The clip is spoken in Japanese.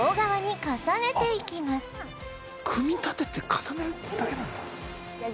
「組み立てて重ねるだけなんだ」